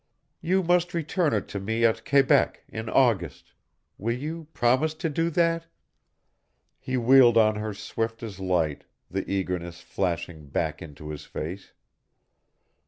You must return it to me at Quebec, in August. Will you promise to do that?" He wheeled on her swift as light, the eagerness flashing back into his face.